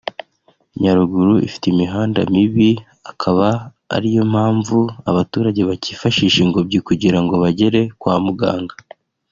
Nyaruguru ifite imihanda mibi akaba ariyo mpamvu abaturage bacyifashisha ingobyi kugira ngo bagere kwa muganga